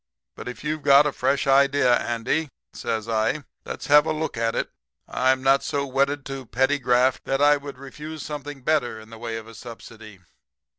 But if you've got a fresh idea, Andy,' says I, 'let's have a look at it. I'm not so wedded to petty graft that I would refuse something better in the way of a subsidy.'